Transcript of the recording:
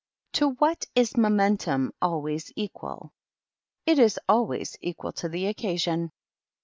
To what is momentum always equal? It is always equal to the occasion.